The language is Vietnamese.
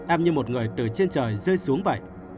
ăn như một người từ trên trời rơi xuống vậy